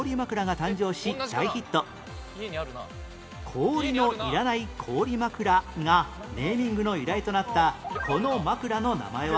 「氷の要らない氷枕」がネーミングの由来となったこの枕の名前は？